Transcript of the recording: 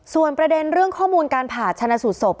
ส่วนประเด็นเรื่องข้อมูลการผ่าชนะสูตรศพ